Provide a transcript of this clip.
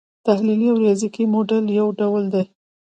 تحلیلي او ریاضیکي موډل یو ډول دی.